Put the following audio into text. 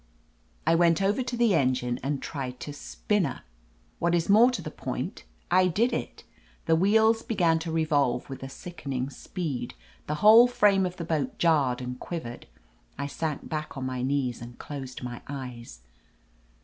I went over to the engine and tried to "spin ner." What is more to the point, I did it. The wheels began to revolve with a sickening speed : the whole frame of the boat jarred and quiv ered. I sank back on my knees and closed my eyes.